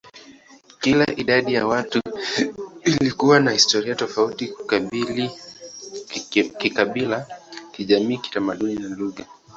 Kila idadi ya watu ilikuwa na historia tofauti kikabila, kijamii, kitamaduni, na lugha.